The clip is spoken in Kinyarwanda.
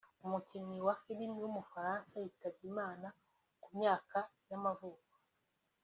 umukinnyi wa filime w’umufaransa yitabye Imana ku myaka y’amavuko